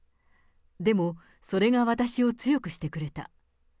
でも、それが私を強くしてくれた。